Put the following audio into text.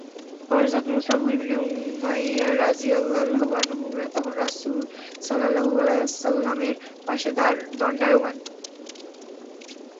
হযরত Musab ibn Umayya রাযিয়াল্লাহু আনহু তখন রাসূল সাল্লাল্লাহু আলাইহি ওয়াসাল্লাম-এর পাশে দণ্ডায়মান।